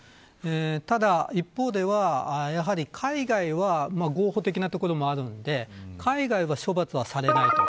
ただ、一方では、やはり海外は合法的なところもあるので海外は処罰はされないと。